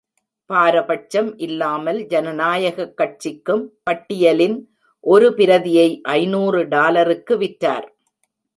பாரபட்சம் இல்லாமல் ஜனநாயகக் கட்சிக்கும் பட்டியலின் ஒரு பிரதியை ஐநூறு டாலருக்கு விற்றார்.